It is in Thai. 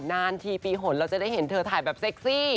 นานทีปีหนเราจะได้เห็นเธอถ่ายแบบเซ็กซี่